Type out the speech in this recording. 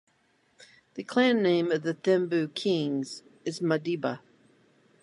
The clan name of the Thembu kings is Madiba.